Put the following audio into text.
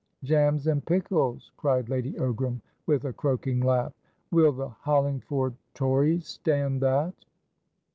"Jams and pickles!" cried Lady Ogram, with a croaking laugh. "Will the Hollingford Tories stand that?"